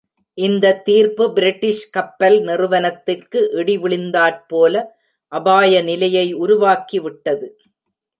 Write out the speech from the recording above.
இந்த தீர்ப்பு பிரிட்டிஷ் கப்பல் நிறுவனத்துக்கு இடி விழுந்தாற்போன்ற அபாய நிலையை உருவாக்கி விட்டது.